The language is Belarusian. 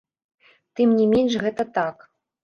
Тым не менш, гэта так.